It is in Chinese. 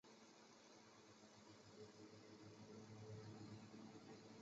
它们可能是在近河流的地方猎食。